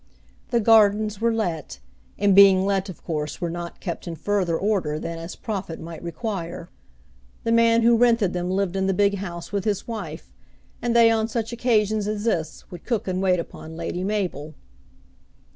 The gardens were let, and being let of course were not kept in further order than as profit might require. The man who rented them lived in the big house with his wife, and they on such occasions as this would cook and wait upon Lady Mabel.